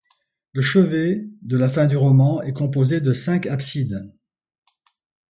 Le chevet, de la fin du roman est composé de cinq absides.